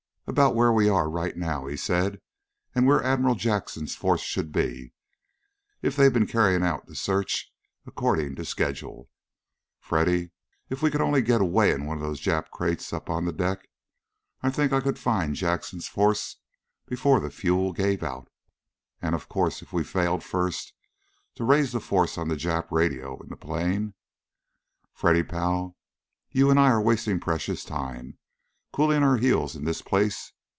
"About where we are, right now," he said. "And where Admiral Jackson's force should be, if they've been carrying out the search according to schedule. Freddy! If we could only get away in one of those Jap crates up on the deck, I think I could find Jackson's force before the fuel gave out. And, of course, if we failed first to raise the force on the Jap radio in the plane. Freddy, pal! You and I are wasting precious time, cooling our heels in this place.